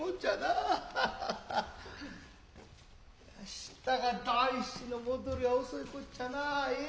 したが団七の戻りは遅いこっちゃなええ。